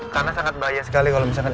karena sangat bahaya sekali kalau misalkan